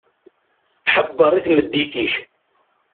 Ḥebber i tmeddit-ik.